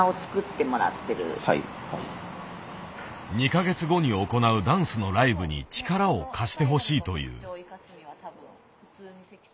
２か月後に行うダンスのライブに力を貸してほしいという。